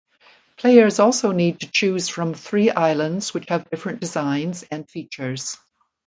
Players also need to choose from three islands which have different designs and features.